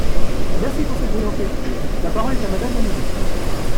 Merci pour cette brillante lecture ! La parole est à Madame la ministre.